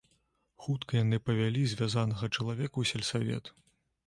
Хутка яны павялі звязанага чалавека ў сельсавет.